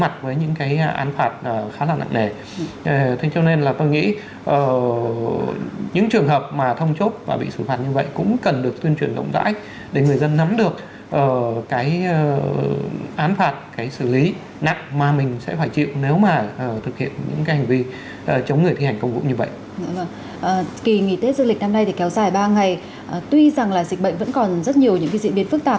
tuy rằng là dịch bệnh vẫn còn rất nhiều những cái diễn biến phức tạp